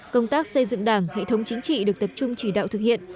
công tác xây dựng đảng hệ thống chính trị được tập trung chỉ đạo thực hiện